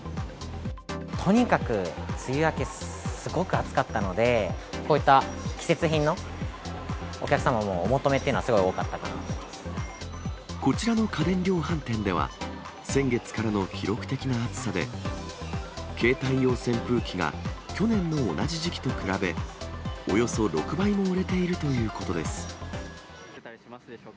とにかく梅雨明けすごく暑かったので、こういった季節品のお客様のお求めというのはすごく多かったなとこちらの家電量販店では、先月からの記録的な暑さで、携帯用扇風機が去年の同じ時期と比べ、およそ６倍も売れているということです。